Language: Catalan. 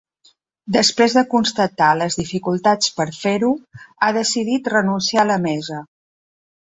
Després de constatar les dificultats per fer-ho, ha decidit renunciar a la mesa.